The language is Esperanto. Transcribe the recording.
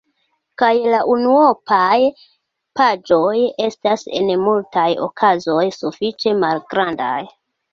Kaj la unuopaj paĝoj estas en multaj okazoj sufiĉe malgrandaj.